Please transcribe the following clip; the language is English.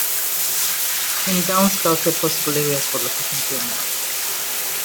Tim Downs scouted possible areas for location filming.